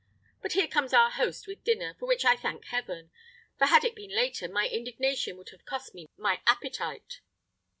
But here comes our host with dinner, for which I thank heaven! for had it been later, my indignation would have cost me my appetite."